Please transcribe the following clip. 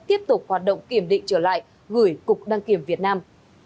tiếp tục hoạt động kiểm định trở lại gửi cục đăng kiểm việt nam